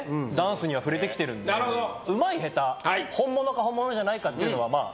なるほどうまい下手本物か本物じゃないかっていうのはまあ